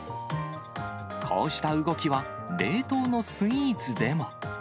こうした動きは、冷凍のスイーツでも。